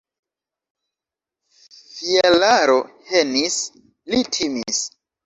Fjalaro henis, li timis.